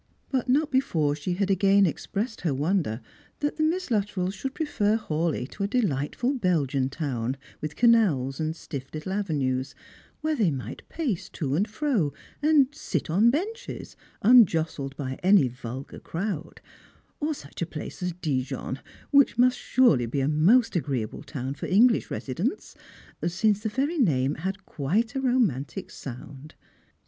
But not before she had again expressed her wonder that the Miss Lut trells should prefer Hawleigh to a delightful Belgian town, with canals and stiff little avenues, where they might pace to and fro, and sit on benches, unjostled by a;^y vulgar crowd; or such a place as Dijon, which must surely be a most agreeable town for English residents, since the very name had quite a romantio sound.